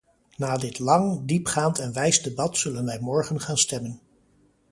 Na dit lang, diepgaand en wijs debat zullen wij morgen gaan stemmen.